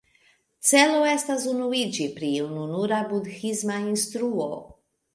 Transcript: Celo estis unuiĝi pri ununura budhisma instruo.